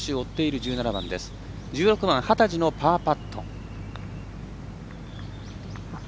１６番、幡地のパーパット。